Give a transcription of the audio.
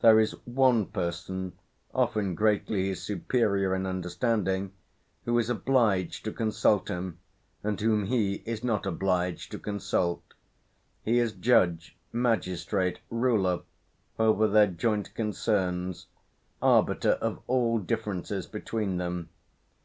There is one person, often greatly his superior in understanding, who is obliged to consult him, and whom he is not obliged to consult. He is judge, magistrate, ruler, over their joint concerns; arbiter of all differences between them....